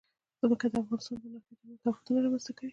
ځمکه د افغانستان د ناحیو ترمنځ تفاوتونه رامنځ ته کوي.